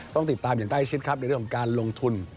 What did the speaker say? ต้องติดตามอย่างใกล้ชิดครับในเรื่องของการลงทุน